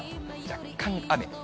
若干雨が。